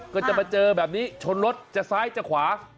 ก็จะมาเจอแบบนี้ชนรถจะซ้ายจะขวา